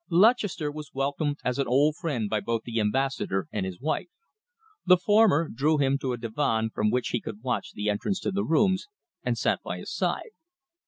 Lutchester was welcomed as an old friend by both the Ambassador and his wife. The former drew him to a divan from which he could watch the entrance to the rooms, and sat by his side.